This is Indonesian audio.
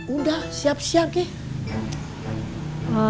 udah siap siap ya